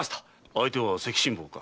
相手は赤心坊か。